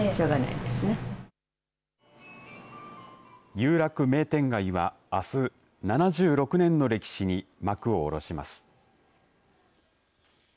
有楽名店街はあす７６年の歴史に幕を下ろします。